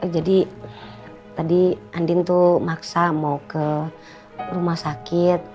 jadi tadi andin tuh maksa mau ke rumah sakit